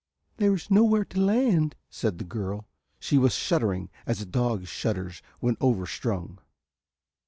"There is nowhere to land," said the girl. She was shuddering as a dog shudders when overstrung.